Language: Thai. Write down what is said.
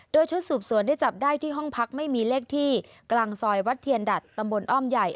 โดยชุดสืบสวนได้จับได้ที่ห้องพักไม่มีเลขที่กลางซอยวัดเทียนดัดตำบลอ้อมใหญ่